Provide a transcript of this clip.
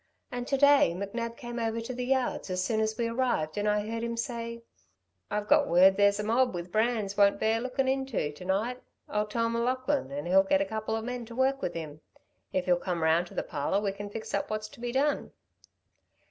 And to day McNab came over to the yards as soon as we arrived and I heard him say: 'I've got word where there's a mob with brands won't bear lookin' into, to night. I'll tell M'Laughlin, and he'll get a couple of men to work with him. If you'll come round to the parlour we can fix up what's to be done.'"